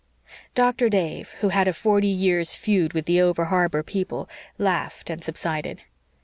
Doctor Dave, who had a forty years' feud with the over harbor people, laughed and subsided.